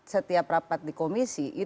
setiap rapat di komisi